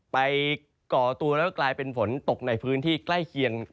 ก่อตัวแล้วก็กลายเป็นฝนตกในพื้นที่ใกล้เคียง